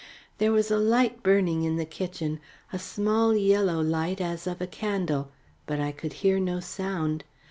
There was a light burning in the kitchen a small yellow light as of a candle, but I could hear no sound.